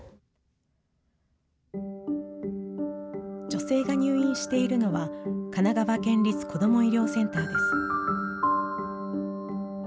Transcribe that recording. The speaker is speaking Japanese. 女性が入院しているのは、神奈川県立こども医療センターです。